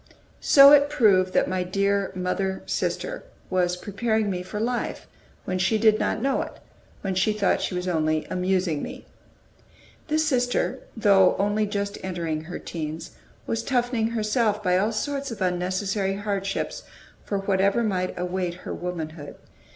So it proved that my dear mother sister was preparing me for life when she did not know it, when she thought she was only amusing me. This sister, though only just entering her teens, was toughening herself by all sorts of unnecessary hardships for whatever might await her womanhood.